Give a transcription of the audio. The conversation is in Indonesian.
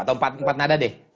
atau empat nada deh